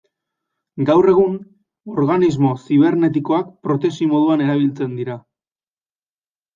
Gaur egun, organismo zibernetikoak protesi moduan erabiltzen dira.